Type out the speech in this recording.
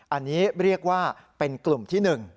อันนี้เรียกว่าเป็นกลุ่มที่๑